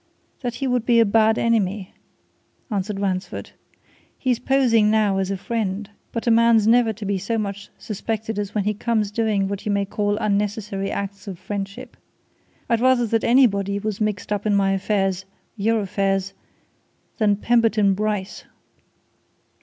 "That he would be a bad enemy," answered Ransford. "He's posing now as a friend but a man's never to be so much suspected as when he comes doing what you may call unnecessary acts of friendship. I'd rather that anybody was mixed up in my affairs your affairs than Pemberton Bryce!"